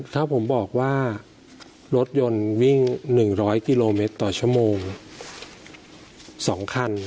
ถ้าผมบอกว่ารถยนต์วิ่งหนึ่งร้อยกิโลเมตรต่อชั่วโมงสองคัน